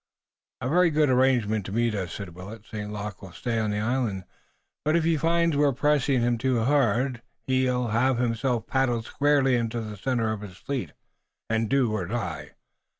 "A very good arrangement to meet us," said Willet. "St. Luc will stay on the island, but if he finds we're pressing him too hard, he'll have himself paddled squarely into the center of his fleet, and do or die.